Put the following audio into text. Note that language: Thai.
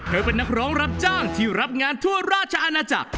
เป็นนักร้องรับจ้างที่รับงานทั่วราชอาณาจักร